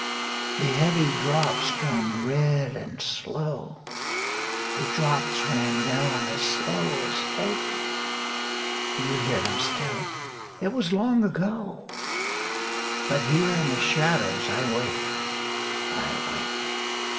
The heavy drops drummed red and slow, The drops ran down as slow as fate Do ye hear them still? it was long ago! But here in the shadows I wait, I wait!